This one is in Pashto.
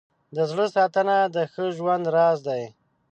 د زړه ساتنه د ښه ژوند راز دی.